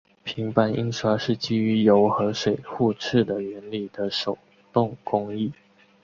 平版印刷是基于油和水互斥的原理的手动工艺。